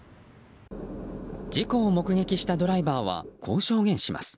事故を目撃したドライバーはこう証言します。